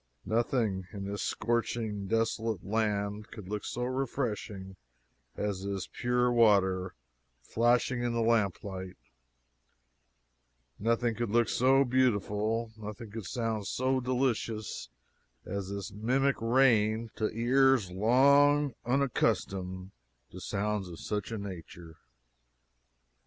Nothing, in this scorching, desolate land could look so refreshing as this pure water flashing in the lamp light; nothing could look so beautiful, nothing could sound so delicious as this mimic rain to ears long unaccustomed to sounds of such a nature.